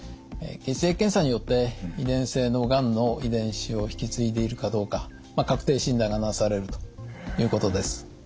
血液検査によって遺伝性のがんの遺伝子を引き継いでいるかどうか確定診断がなされるということです。